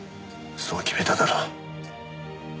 そう決めただろ。